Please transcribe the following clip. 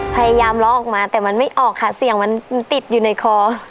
พยายามล้อออกมาแต่มันไม่ออกค่ะเสียงมันติดอยู่ในคอ